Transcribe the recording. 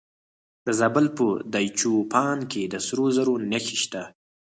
د زابل په دایچوپان کې د سرو زرو نښې شته.